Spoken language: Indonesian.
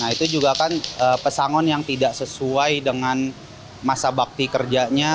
nah itu juga kan pesangon yang tidak sesuai dengan masa bakti kerjanya